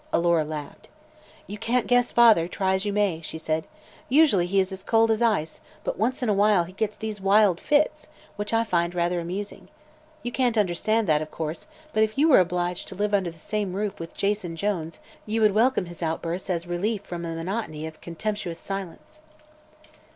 Alora laughed. "You can't guess father, try as you may," she said. "Usually he is cold as ice, but once in awhile he gets these wild fits, which I find rather amusing. You can't understand that, of course, but if you were obliged to live under the same roof with Jason Jones you would welcome his outbursts as relief from the monotony of contemptuous silence."